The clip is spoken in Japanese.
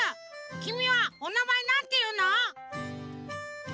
きみはおなまえなんていうの？